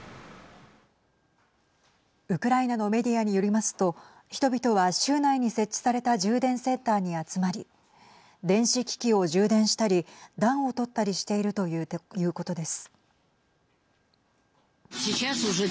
ウクライナのメディアによりますと人々は州内に設置された充電センターに集まり電子機器を充電したり暖を取ったりしているということです。